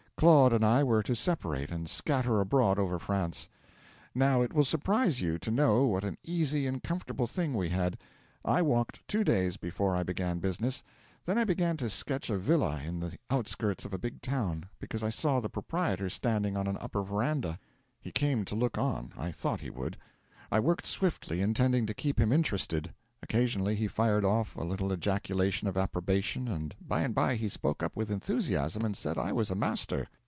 Claude and I were to separate, and scatter abroad over France. 'Now, it will surprise you to know what an easy and comfortable thing we had. I walked two days before I began business. Then I began to sketch a villa in the outskirts of a big town because I saw the proprietor standing on an upper veranda. He came down to look on I thought he would. I worked swiftly, intending to keep him interested. Occasionally he fired off a little ejaculation of approbation, and by and by he spoke up with enthusiasm, and said I was a master!